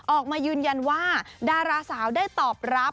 ออกมายืนยันว่าดาราสาวได้ตอบรับ